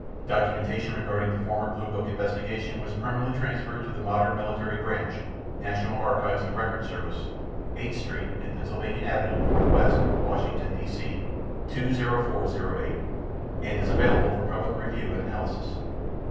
Documentation regarding the former Blue Book investigation was permanently transferred to the Modern Military Branch, National Archives and Records Service, Eighth Street and Pennsylvania Avenue, N.W., Washington, D.C. 20408, and is available for public review and analysis.